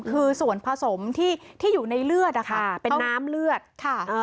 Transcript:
คือส่วนผสมที่ที่อยู่ในเลือดนะคะเป็นน้ำเลือดค่ะ